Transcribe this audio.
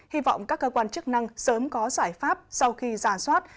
hy vọng các cơ quan chức năng sớm có giải pháp sau khi giả soát